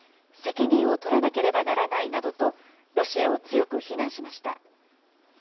責任を取らなければならないなどと、ロシアを強く非難しました。